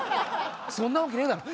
そんなわけねえだろ！